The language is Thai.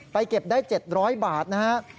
เก็บได้๗๐๐บาทนะฮะ